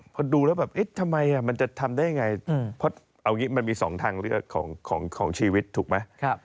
พอดูแล้วแบบทำไมมันจะทำได้ยังไงเอาอย่างนี้มันมีสองทางของชีวิตถูกไหม